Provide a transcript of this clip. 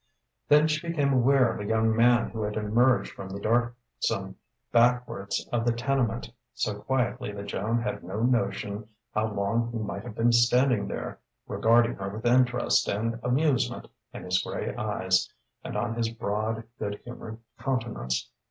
Then she became aware of a young man who had emerged from the darksome backwards of the tenement, so quietly that Joan had no notion how long he might have been standing there, regarding her with interest and amusement in his grey eyes and on his broad, good humoured countenance.